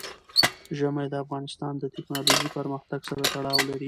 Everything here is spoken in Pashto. ژمی د افغانستان د تکنالوژۍ پرمختګ سره تړاو لري.